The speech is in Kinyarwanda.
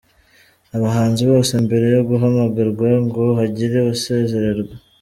Abahanzi bose mbere yo guhamagarwa ngo hagire abasezererwa.